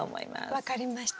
分かりました。